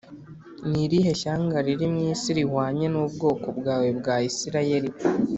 Ni irihe shyanga riri mu isi rihwanye n’ubwoko bwawe bwa Isirayeli?